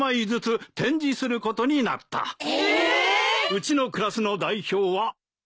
うちのクラスの代表は磯野だ。